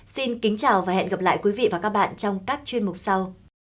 xin kính chào và hẹn gặp lại quý vị và các bạn trong các chuyên mục sau